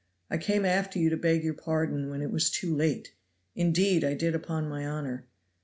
I came after you to beg your pardon, when it was too late; indeed I did, upon my honor.